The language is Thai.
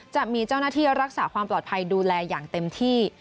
จะมีเจ้าหน้าที่รักษาความปลอดภัยดูแลอย่างเต็มที่